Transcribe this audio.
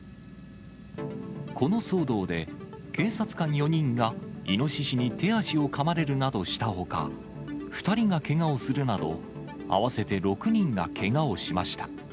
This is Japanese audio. この騒動で、警察官４人がイノシシに手足をかまれるなどしたほか、２人がけがをするなど、合わせて６人がけがをしました。